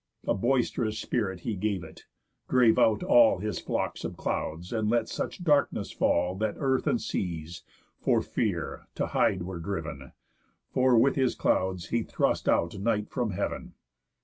A boist'rous spirit he gave it, drave out all His flocks of clouds, and let such darkness fall That Earth and Seas, for fear, to hide were driv'n, For with his clouds he thrust out Night from heav'n.